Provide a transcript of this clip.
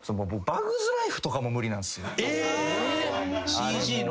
ＣＧの？